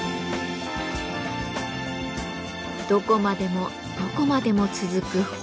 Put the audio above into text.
どこまでもどこまでも続く本。